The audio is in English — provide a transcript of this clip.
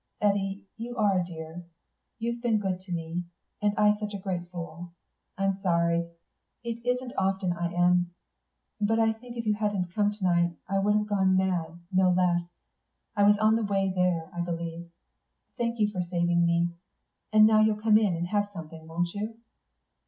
"Eddy, you are a dear. You've been good to me, and I such a great fool. I'm sorry. It isn't often I am.... But I think if you hadn't come to night I would have gone mad, no less. I was on the way there, I believe. Thank you for saving me. And now you'll come in and have something, won't you."